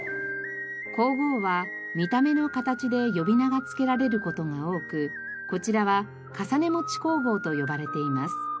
香合は見た目の形で呼び名が付けられる事が多くこちらは『重餅香合』と呼ばれています。